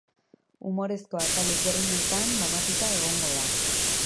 Umorezko atal ezberdinetan banatuta egongo da.